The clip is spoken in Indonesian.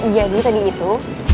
jadi tadi itu